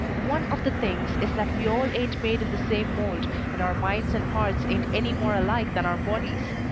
One of the things is that we all ain't made in the same mold, and our minds and hearts ain't any more alike than our bodies.